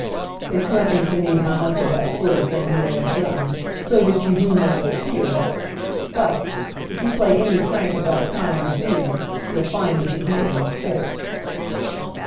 It's nothing to me how much of that sort of thing you may have done, so that you do none of it here. But, if you play any prank of that kind with me, you'll find that you've made a mistake."